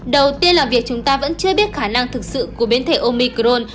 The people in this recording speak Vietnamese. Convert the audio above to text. đầu tiên là việc chúng ta vẫn chưa biết khả năng thực sự của biến thể omicron